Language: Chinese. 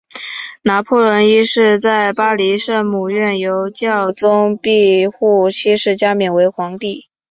拿破仑一世在巴黎圣母院由教宗庇护七世加冕为皇帝。